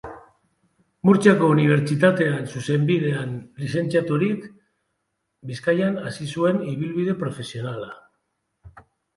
Murtziako unibertsitatean zuzenbidean lizentziaturik, Bizkaian hasi zuen ibilbide profesionala.